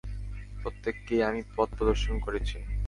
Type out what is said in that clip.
প্রত্যেককেই আমি পথ প্রদর্শন করেছি।